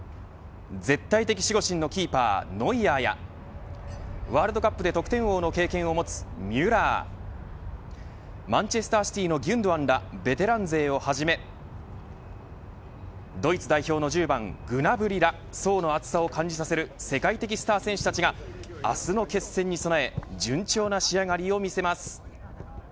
絶対的守護神のキーパーノイアーやワールドカップで得点王の経験を持つミュラーマンチェスター・シティのギュンドアンらベテラン勢をはじめドイツ代表の１０番グナブリら層の厚さを感じさせる世界的スター選手たちが明日の決戦に備え順調な仕上がりを見せます。